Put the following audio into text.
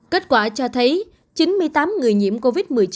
kết quả cho thấy chín mươi tám người nhiễm covid một mươi chín